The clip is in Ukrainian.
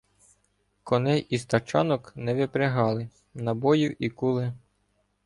Коней із тачанок не випрягали, набоїв і куле